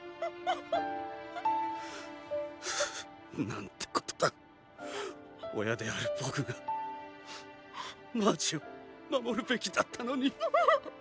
なんてことだ親である僕がマーチを守るべきだったのに。